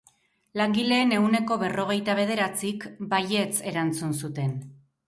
Langileen ehuneko berrogeita bederatzik baietz erantzun zuten.